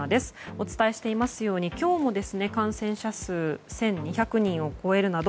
お伝えしていますように今日も感染者数１２００人を超えるなど